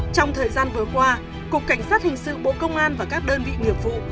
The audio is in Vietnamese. trong thời gian vừa qua cục cảnh sát hình sự bộ công an và các đơn vị nghiệp vụ